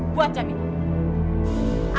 buat jam ini